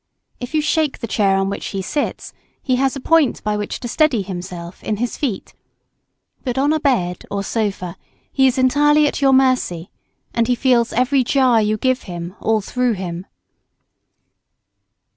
If you shake the chair on which he sits, he has a point by which to steady himself, in his feet. But on a bed or sofa, he is entirely at your mercy, and he feels every jar you give him all through him.